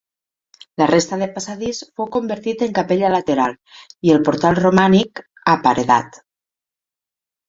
La resta de passadís fou convertit en capella lateral, i el portal romànic, aparedat.